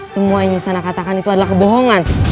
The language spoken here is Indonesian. semua yang nisanak katakan itu adalah kebohongan